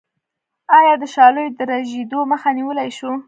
آیا د شالیو د رژیدو مخه نیولی شو؟